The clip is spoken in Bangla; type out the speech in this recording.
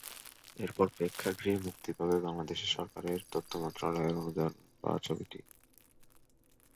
এরপর প্রেক্ষাগৃহে মুক্তি পাবে বাংলাদেশ সরকারের তথ্য মন্ত্রণালয়ের অনুদান পাওয়া ছবিটি।